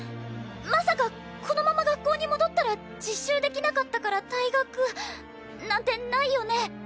まさかこのまま学校に戻ったら実習できなかったから退学なんてないよね？